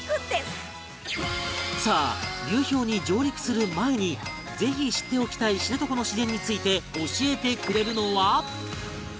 さあ流氷に上陸する前にぜひ知っておきたい知床の自然について教えてくれるのは